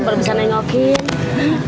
belum bisa nengokin